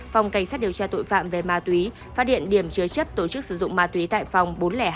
phòng cảnh sát điều tra tội phạm về ma túy phát hiện điểm chứa chấp tổ chức sử dụng ma túy tại phòng bốn trăm linh hai